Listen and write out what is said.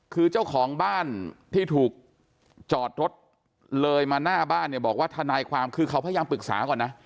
คือเจ้าของบ้านที่ถูกจอดรถเลยมาหน้าบ้านเนี่ยบอกว่าทนายความคือเขาพยายามปรึกษาก่อนนะ